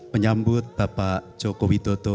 menyambut bapak joko widodo